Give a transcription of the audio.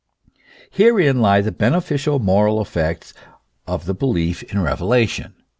Herein lie the beneficial moral effects of the belief in reve lation.